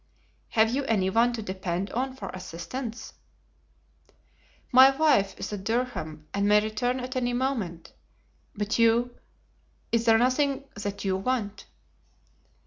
"Have you any one to depend on for assistance?" "My wife is at Durham and may return at any moment. But you—is there nothing that you want?"